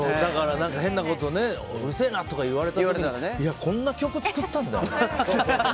うるせえなとか言われた時にこんな曲作ったんだよって。